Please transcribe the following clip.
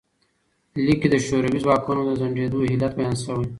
لیک کې د شوروي ځواکونو د ځنډیدو علت بیان شوی.